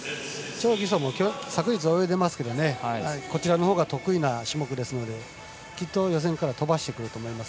チョ・ギソンも昨日、泳いでますけどこちらのほうが得意な種目ですのできっと予選から飛ばしてくると思います。